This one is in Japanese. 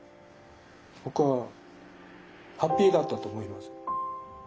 僕はハッピーだったと思います。